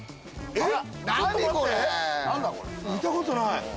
えっ？